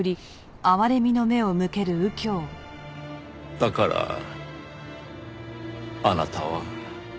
だからあなたは。